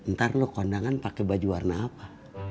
ntar lo kondangan pakai baju warna apa